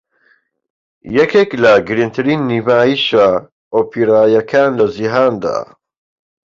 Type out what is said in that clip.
یەکێک لە گرنگترین نمایشە ئۆپێراییەکان لە جیهاندا